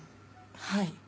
はい。